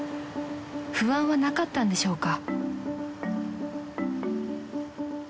［不安はなかったんでしょうか］